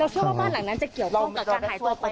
นางนาคะนี่คือยายน้องจีน่าคุณยายถ้าแท้เลย